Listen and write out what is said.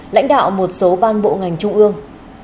lãnh đạo một số ban bộ ngành trung ương